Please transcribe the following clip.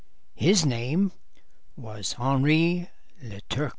His name was Henri Leturc."